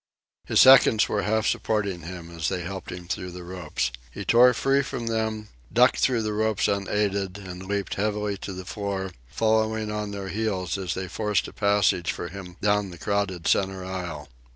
His seconds were half supporting him as they helped him through the ropes. He tore free from them, ducked through the ropes unaided, and leaped heavily to the floor, following on their heels as they forced a passage for him down the crowded centre aisle.